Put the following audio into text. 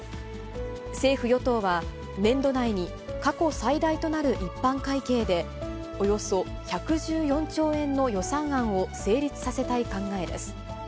政府・与党は、年度内に過去最大となる一般会計でおよそ１１４兆円の予算案を成立させたい考えです。